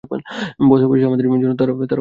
বস অবশেষে আমাদের জন্য তার অর্থ ব্যয় করছে।